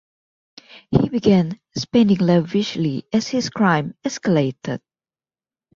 He began spending lavishly as his crimes escalated.